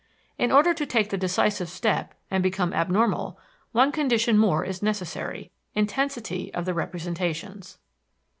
In order to take the decisive step and become abnormal one condition more is necessary intensity of the representations.